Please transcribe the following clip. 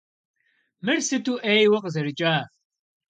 Мыр сыту ӏейуэ къызэрыкӏа!